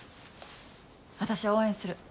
私は応援する。